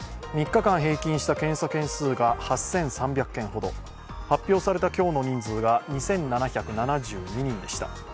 ３日間平均した検査件数が８３００件ほど、発表された今日の人数が２７７２人でした。